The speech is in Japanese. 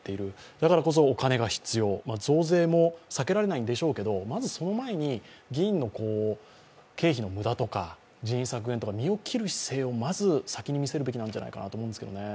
だからこそお金が必要、増税も避けられないんでしょうけどまずその前に、議員の経費の無駄とか人員削減とか身を切る姿勢をまず先に見せるべきなんじゃないかと思いますが。